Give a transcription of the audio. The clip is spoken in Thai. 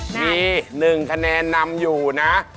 มี๑คะแนนนำอยู่นะ